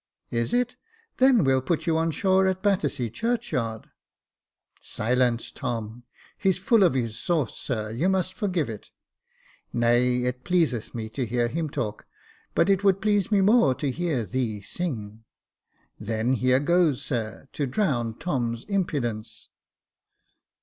" Is it ? then we'll put you on shore at Battersea churchyard." " Silence, Tom. He's full of his sauce, sir — you must forgive it." " Nay, it pleaseth me to hear him talk ; but it would please me more to hear thee sing." " Then here goes, sir, to drown Tom's impudence.